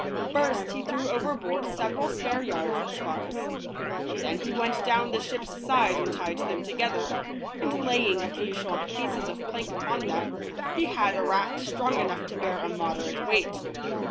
First, he threw overboard several spare yards and spars. Then he went down the ships side and tied them together, and laying a few short pieces of plank upon them, he had a raft strong enough to bear a moderate weight.